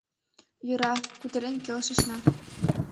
Йӧра, кутырен келшышна.